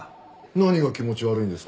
何が気持ち悪いんですか？